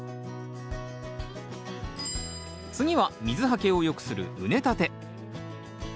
次は水はけをよくする畝立て。